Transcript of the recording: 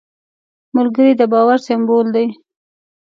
ملګری د باور سمبول دی